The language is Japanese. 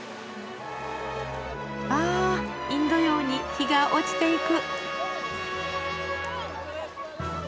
あインド洋に日が落ちていく。